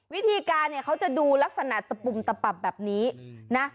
วิธีการเนี่ยเขาจะดูลักษณะตะปุ่มตะปับแบบนี้นะ